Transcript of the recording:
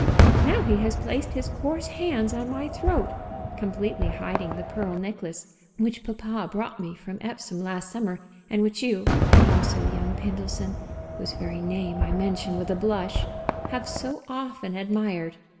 Now he has placed his coarse hands on my throat, completely hiding the pearl necklace which papa brought me from Epsom last summer, and which you, and also young Pindleson (whose very name I mention with a blush), have so often admired.